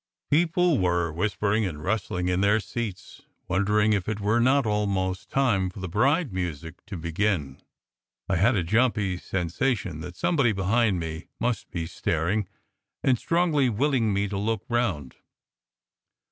People were whispering and rustling in their seats, won dering if it were not almost the time for the bride music to begin. I had a jumpy sensation that somebody behind me must be staring, and strongly willing me to look round.